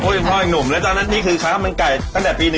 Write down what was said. เป็นพ่ออีกหนุ่มแล้วตอนนั้นนี่คือค้ามันไก่ตั้งแต่ปี๑